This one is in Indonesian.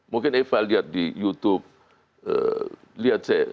mungkin eva lihat di youtube lihat saya